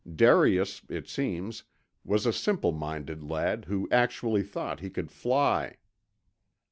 Darius, it seems, was a simple minded lad who actually thought he could fly.